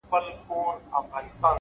• بيا تس ته سپكاوى كوي بدرنگه ككــرۍ ـ